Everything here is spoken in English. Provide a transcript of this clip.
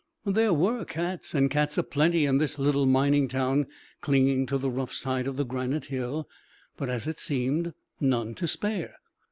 There were cats and cats a plenty in this little mining town, clinging to the rough side of the granite hill, but, as it seemed, none to spare.